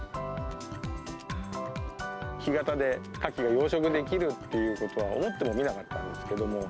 干潟でカキが養殖できるっていうことは、思ってもみなかったんですけども。